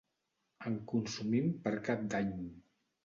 En consumim per cap d'any.